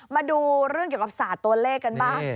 มาดูเรื่องเกี่ยวกับศาสตร์ตัวเลขกันบ้าง